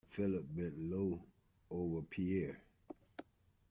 Philip bent low over Pierre.